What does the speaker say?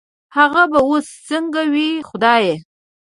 هغه به وس سنګه وي خدايه